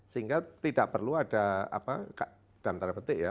sehingga tidak perlu ada dalam tanda petik ya